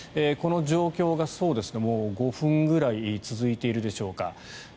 この状況がもう５分ぐらい続いているでしょうか。